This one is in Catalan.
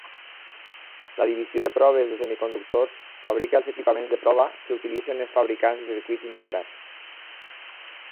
La Divisió de proves de semiconductors fabrica els equipaments de prova que utilitzen els fabricants de circuits integrats.